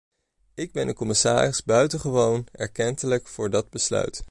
Ik ben de commissaris buitengewoon erkentelijk voor dat besluit.